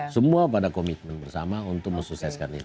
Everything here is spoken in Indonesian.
semua pada komitmen bersama untuk mensukseskan ini